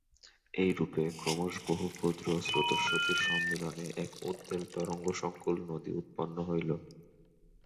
এইরূপে ক্রমশ বহু ক্ষুদ্র স্রোতস্বতীর সম্মিলনে এক উদ্বেল তরঙ্গসঙ্কুল নদী উৎপন্ন হইল।